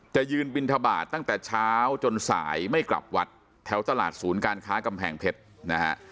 จะยืนบินทบาทตั้งแต่เช้าจนสายไม่กลับวัดแถวตลาดศูนย์การค้ากำแพงเพชรนะฮะ